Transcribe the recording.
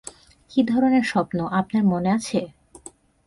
কী ধরনের স্বপ্ন, আপনার মনে আছে?